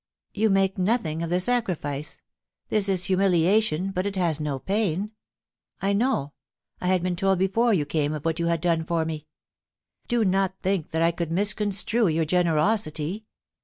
* You make nothing of the sacrifice. This is humiliation, but it has no pain. I know — I had been told before you came of what you had done for me. ... Do not think that I could misconstrue your generosity.